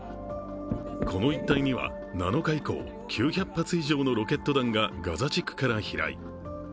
この一帯には７日以降、９００発以上のロケット弾がガザ地区から飛来。